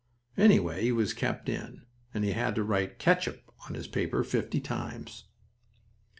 Anyway he was kept in, and he had to write "ketchup" on his paper fifty times.